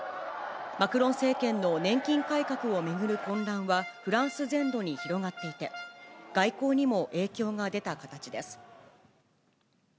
マクロン政権の年金改革を巡る混乱は、フランス全土に広がっていて、外交にも影響が出た形です。